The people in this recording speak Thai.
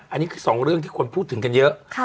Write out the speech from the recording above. อันนี้คือสองเรื่องที่คนพูดถึงกันเยอะ